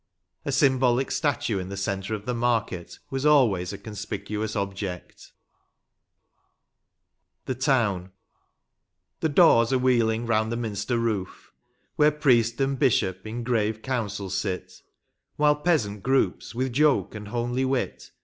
A symbolic statue in the centre of the market was always a conspicuous object 127 LXIIL THE TOWN. The daws are wheeling round the minster roof. Where priest and hishop in grave council sit, While peasant groups, with joke and homely wit.